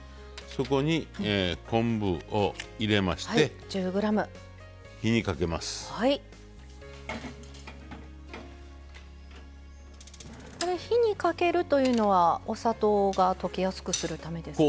これ火にかけるというのはお砂糖が溶けやすくするためですか？